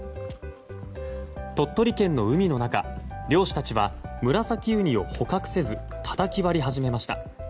鳥取県の海の中、漁師たちはムラサキウニを捕獲せずたたき割り始めました。